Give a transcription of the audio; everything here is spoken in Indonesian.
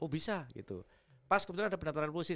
oh bisa gitu pas kebetulan ada daftar polisi